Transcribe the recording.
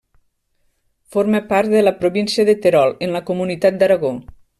Forma part de la Província de Terol en la comunitat d'Aragó.